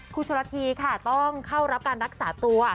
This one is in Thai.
โชลธีค่ะต้องเข้ารับการรักษาตัว